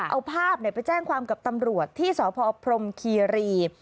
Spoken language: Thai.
เอาภาพไปแจ้งความกับตำรวจที่สพพรมคีรี